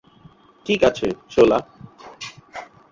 ঠিক আছে, শোলা।